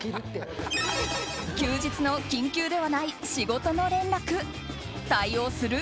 休日の緊急ではない仕事の連絡対応する？